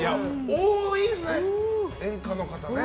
多いですね、演歌の方ね。